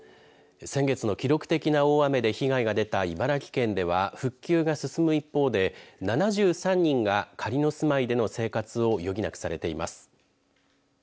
先月の記録的な大雨で被害が出た茨城県では復旧が進む一方で７３人が仮の住まいでの生活を余儀なくされています。